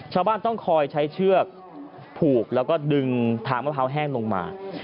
ชาวบ้านต้องคอยใช้เชือกผูกแล้วก็ดึงทางมะพร้าวแห้งลงมา